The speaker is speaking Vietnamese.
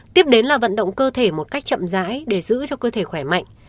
tiếp đến là vận động cơ thể một cách chậm dãi để giữ cho cơ thể khỏe mạnh